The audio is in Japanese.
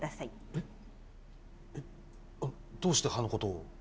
えっあのどうして歯のことを？